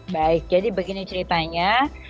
baik jadi begini ceritanya